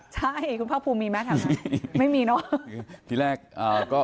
ใช่คุณภาพูมีไหมทางนั้นไม่มีเนอะ